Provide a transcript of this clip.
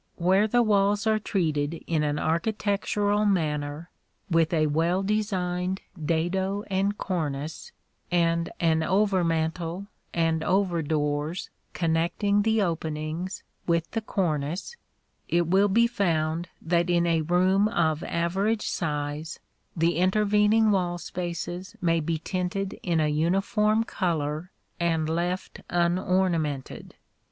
Where the walls are treated in an architectural manner, with a well designed dado and cornice, and an over mantel and over doors connecting the openings with the cornice, it will be found that in a room of average size the intervening wall spaces may be tinted in a uniform color and left unornamented.